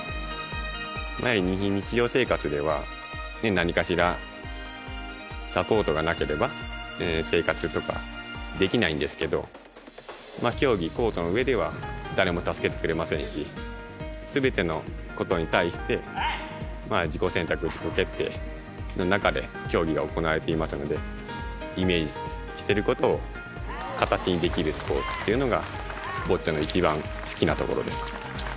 毎日、日常生活では何かしらサポートがなければ生活とかできないんですけど競技、コートの上では誰も助けてくれませんしすべてのことに対して自己選択、自己決定の中で競技が行われていますのでイメージしていることを形にできるスポーツというのがボッチャの一番好きなところです。